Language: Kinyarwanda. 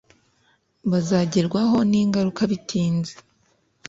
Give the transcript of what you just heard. bazagerwaho ningaruka bitinze